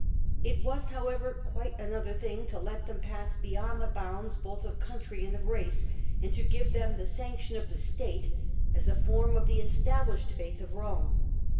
It was, how ever, quite another thing to let them pass beyond the bounds both of country and of race, and to give them the sanction of the state as a form of the established faith of Rome.